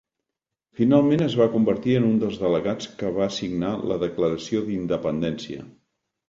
Finalment es va convertir en un dels delegats que va signar la Declaració d'independència.